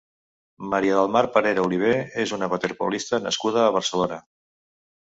Maria del Mar Parera Olivé és una waterpolista nascuda a Barcelona.